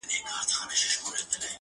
o پر غوولي کوس سندري نه ويل کېږي!